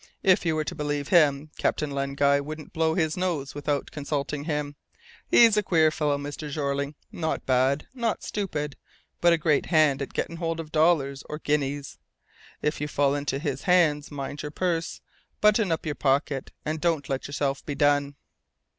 If you were to believe him, Captain Len Guy wouldn't blow his nose without consulting him. He's a queer fellow, Mr. Jeorling, not bad, not stupid, but a great hand at getting hold of dollars or guineas! If you fall into his hands, mind your purse, button up your pocket, and don't let yourself be done."